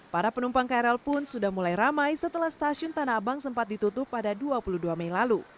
para penumpang krl pun sudah mulai ramai setelah stasiun tanah abang sempat ditutup pada dua puluh dua mei lalu